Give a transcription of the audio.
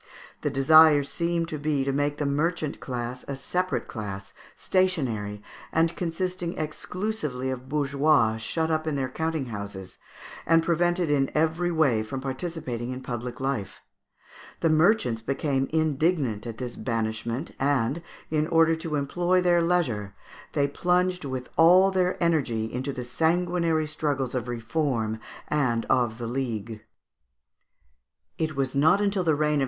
The desire seemed to be to make the merchant class a separate class, stationary, and consisting exclusively of bourgeois, shut up in their counting houses, and prevented in every way from participating in public life. The merchants became indignant at this banishment, and, in order to employ their leisure, they plunged with all their energy into the sanguinary struggles of Reform and of the League. [Illustration: Fig. 200.